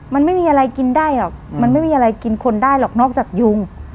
มันไม่มีอะไรกินได้หรอกมันไม่มีอะไรกินคนได้หรอกนอกจากยุง